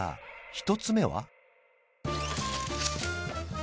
１つ目は？